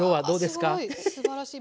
すばらしい。